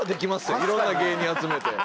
いろんな芸人集めて。